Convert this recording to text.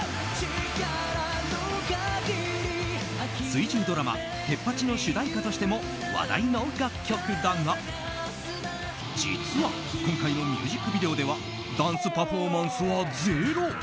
水１０ドラマ「テッパチ！」の主題歌としても話題の楽曲だが実は今回のミュージックビデオではダンスパフォーマンスはゼロ。